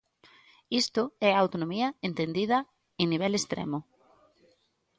Isto é a autonomía entendida en nivel extremo.